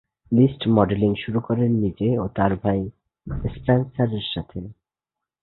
List modelling শুরু করেন নিজে এবং তার ভাই স্পেন্সার এর সাথে।